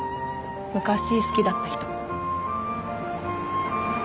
昔好きだった人。